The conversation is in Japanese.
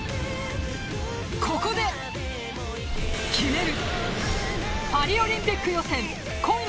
ここで、決める。